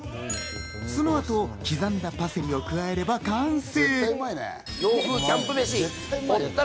そのあと、刻んだパセリを加えれば完成。